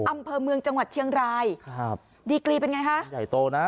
อำเภอเมืองจังหวัดเชียงรายครับดีกรีเป็นไงคะใหญ่โตนะ